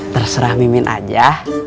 terserah mimin aja